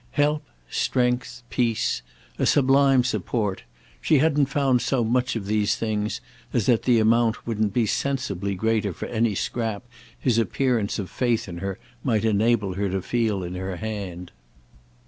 Help, strength, peace, a sublime support—she hadn't found so much of these things as that the amount wouldn't be sensibly greater for any scrap his appearance of faith in her might enable her to feel in her hand.